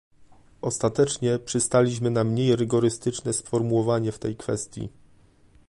Ostatecznie przystaliśmy na mniej rygorystyczne sformułowanie w tej kwestii